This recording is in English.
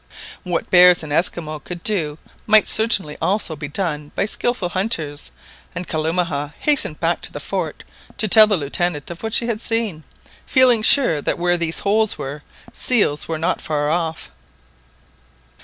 What bears and Esquimaux could do might certainly also be done by skilful hunters, and Kalumah hastened back to the fort to tell the Lieutenant of what she had seen, feeling sure that where these holes were seals were not far off.